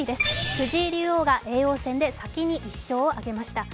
藤井竜王が叡王戦で先に１勝を挙げました。